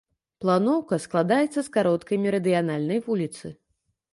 Планоўка складаецца з кароткай мерыдыянальнай вуліцы.